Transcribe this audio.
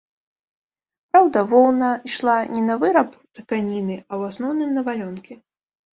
Праўда, воўна ішла не на выраб тканіны, а ў асноўным на валёнкі.